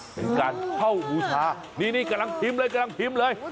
เป็นการเข้าบูชานี่กำลังพิมพ์เลยกำลังพิมพ์เลย